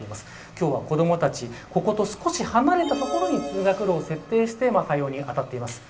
今日は子どもたちここと少し離れた所に通学路を設定して対応にあたっています。